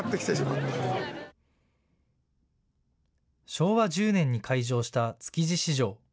昭和１０年に開場した築地市場。